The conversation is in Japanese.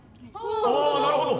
あなるほど。